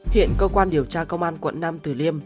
hiện cơ quan điều tra công an quận nam tử liêm